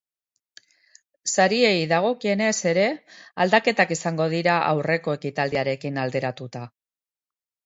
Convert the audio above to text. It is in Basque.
Sariei dagokienez ere aldaketak izango dira aurreko ekitaldiarekin alderatuta.